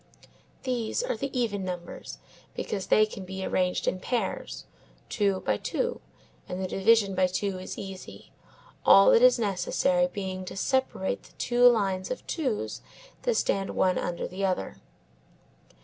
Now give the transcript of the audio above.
These are the even numbers, because they can be arranged in pairs, two by two; and the division by two is easy, all that is necessary being to separate the two lines of twos that stand one under the other.